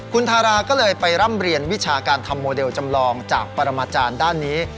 คุณทาราก็เลยไปร่ำเรียนวิชาการทำโมเดลจำลองจากปรมาจารย์ด้านนี้